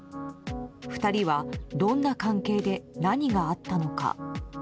２人は、どんな関係で何があったのか。